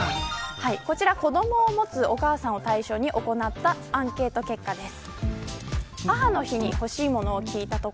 こちら、子どもを持つお母さんを対象に行ったアンケート結果です。